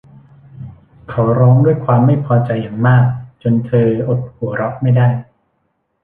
เขาร้องด้วยความไม่พอใจอย่างมากจนเธออดหัวเราะไม่ได้